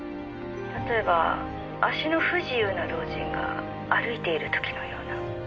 「例えば足の不自由な老人が歩いている時のような」